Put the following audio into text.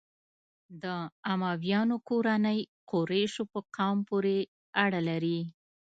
د امویانو کورنۍ قریشو په قوم پورې اړه لري.